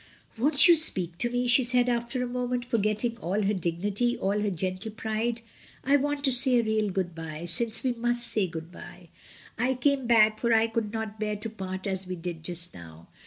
"Won't you speak to me?" she said, after a moment, forgetting all her dignity, all her gentle pride; "I want to say a real good bye — since we must say good bye. I came back, for I could not bear to part as we did just now.